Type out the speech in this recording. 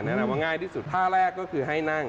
ว่าง่ายที่สุดท่าแรกก็คือให้นั่ง